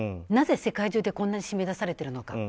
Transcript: なぜ世界中でこんなに締め出されているのか